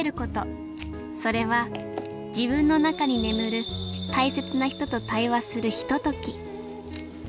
それは自分の中に眠る大切な人と対話するひととき